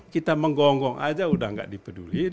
kita menggonggong aja udah gak dipeduliin